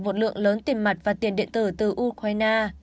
một lượng lớn tiền mặt và tiền điện tử từ ukraine